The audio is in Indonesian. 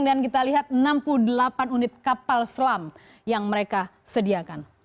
dan empat belas unit kapal selam yang mereka sediakan